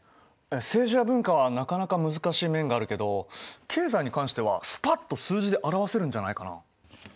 政治や文化はなかなか難しい面があるけど経済に関してはスパッと数字で表せるんじゃないかな？